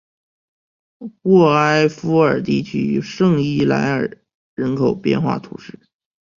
沃埃夫尔地区圣伊莱尔人口变化图示